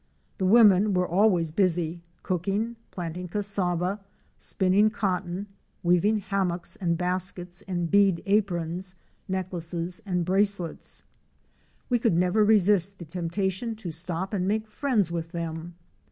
The women were always busy, cook ing, planting cassava, spinning cotton, weaving hammocks and baskets and bead aprons, necklaces and bracelets. We could never resist the temptation to stop and make friends with them.